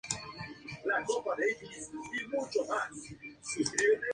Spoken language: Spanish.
Varios de ellos fallecieron jóvenes.